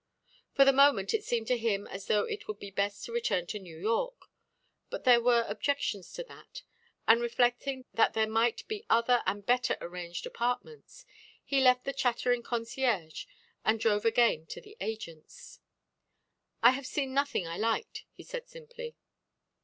For the moment it seemed to him as though it would be best to return to New York, but there were objections to that, and reflecting that there might be other and better arranged apartments, he left the chattering concierge and drove again to the agent's. "I have seen nothing I liked," he said simply.